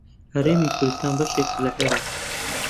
هەرێمی کوردستان بەشێکە لە عێراق.